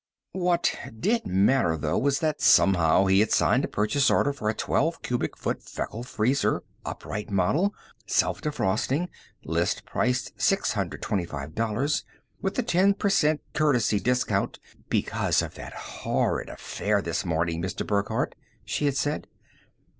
What did matter, though, was that somehow he had signed a purchase order for a twelve cubic foot Feckle Freezer, upright model, self defrosting, list price $625, with a ten per cent "courtesy" discount "Because of that horrid affair this morning, Mr. Burckhardt," she had said.